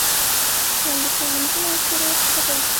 خیال د شعر له مهمو عنصرو څخه دئ.